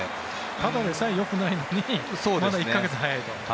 ただでさえよくないのに１か月早いと。